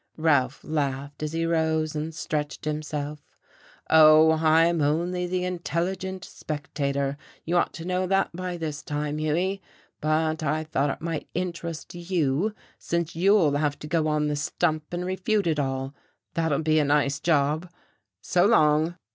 Ralph laughed as he rose and stretched himself. "Oh, I'm only the intelligent spectator, you ought to know that by this time, Hughie. But I thought it might interest you, since you'll have to go on the stump and refute it all. That'll be a nice job. So long."